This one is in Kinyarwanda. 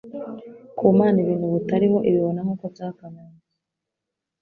Ku Mana, ibintu butariho ibibona nk'uko byakabaye.